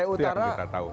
itu yang kita tahu